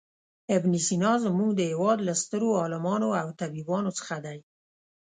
ابن سینا زموږ د هېواد له سترو عالمانو او طبیبانو څخه دی.